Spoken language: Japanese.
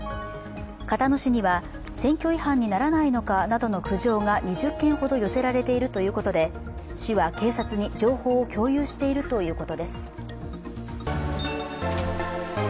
交野市には、選挙違反にならないのかなどの苦情が２０件ほど寄せられているということで市は警察に情報を共有しているということです